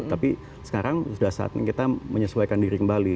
tapi sekarang sudah saatnya kita menyesuaikan diri kembali